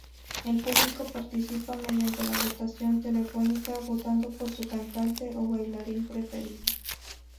El público participa mediante la votación telefónica, votando por su cantante o bailarín preferido.